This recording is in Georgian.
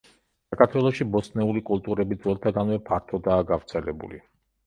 საქართველოში ბოსტნეული კულტურები ძველთაგანვე ფართოდაა გავრცელებული.